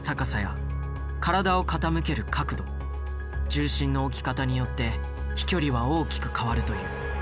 重心の置き方によって飛距離は大きく変わるという。